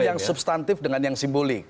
yang substantif dengan yang simbolik